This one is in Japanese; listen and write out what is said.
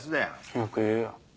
よく言うよ。